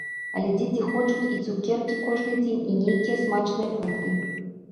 Але дзеці хочуць і цукеркі кожны дзень, і нейкія смачныя фрукты.